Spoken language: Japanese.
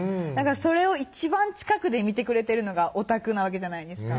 それを一番近くで見てくれてるのがオタクなわけじゃないですか